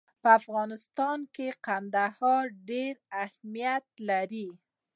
په افغانستان کې کندهار ډېر اهمیت لري.